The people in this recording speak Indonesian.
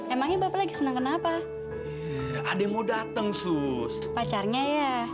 emangnya bapak lagi senang kenapa adem mau dateng sus pacarnya ya